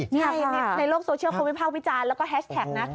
นี่ในโลกโซเชียลเขาวิภาควิจารณ์แล้วก็แฮชแท็กนะ